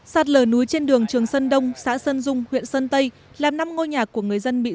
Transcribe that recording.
sạt lở núi trên đường trường sơn đông xã sơn dung huyện sơn tây làm năm ngôi nhà của người dân bị sạt